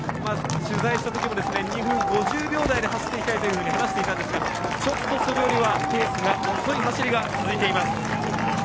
取材した時も２分５１秒台で走っていきたいと話していたんですがちょっとそれよりはペースが遅い走りが続いています。